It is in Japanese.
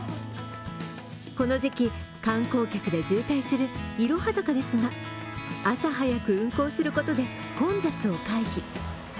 この時期、観光客で渋滞するいろは坂ですが、朝早く運行することで混雑を回避。